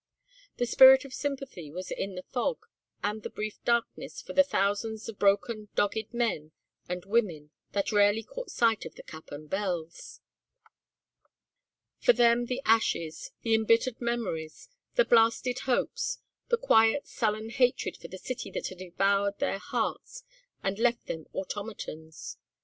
The spirit of sympathy was in the fog and the brief darkness for the thousands of broken dogged men and women that rarely caught sight of the cap and bells. For them the ashes, the embittered memories, the blasted hopes, a quiet sullen hatred for the city that had devoured their hearts and left them automatons.